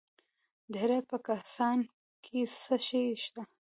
د هرات په کهسان کې څه شی شته؟